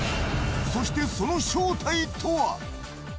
そしてその正体とは？